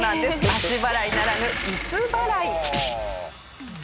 足払いならぬイス払い。